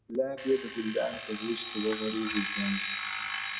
چي ګلاب یې د ګلدان په غېږ کي و غوړېږي ځوان سي,